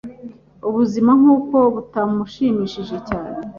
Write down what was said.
Ubuzima nkuko butamushimishije cyane.